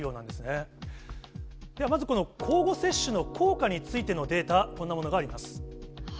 ではまず交互接種の効果についてのデータ、こんなものがあります。